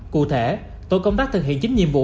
cụ thể tổ công tác thực hiện chín nhiệm vụ